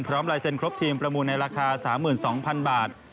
ลายเซ็นครบทีมประมูลในราคา๓๒๐๐๐บาท